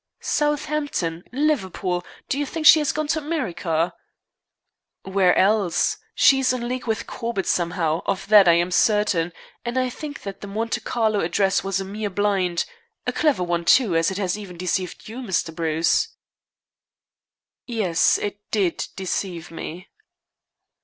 "Southampton! Liverpool! Do you think she has gone to America?" "Where else? She's in league with Corbett, somehow, of that I am certain, and I think that the Monte Carlo address was a mere blind a clever one, too, as it even deceived you, Mr. Bruce." "Yes. It did deceive me."